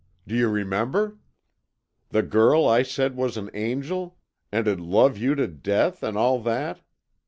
Do you remember? The Girl I said was an angel, and 'd love you to death, and all that?